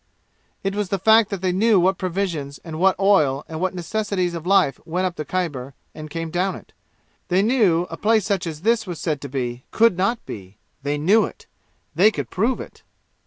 "It was the fact that they knew what provisions and what oil and what necessities of life went up the Khyber and came down it. They knew a place such as this was said to be could not be. They knew it! They could prove it!"